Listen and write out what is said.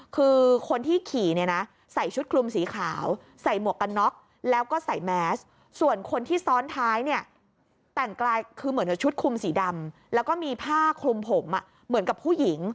แปลงกลายคือเหมือนชุดคลุมสีดำแล้วก็มีผ้าคลุมผมเหมือนกับผู้หญิง